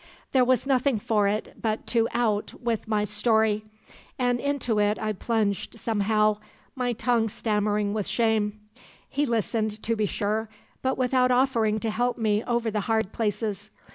There was nothing for it but to out with my story, and into it I plunged somehow, my tongue stammering with shame. He listened, to be sure, but without offering to help me over the hard places.